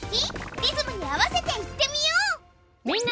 リズムに合わせて言ってみようみんな！